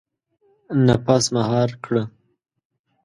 • نفس مهار کړه.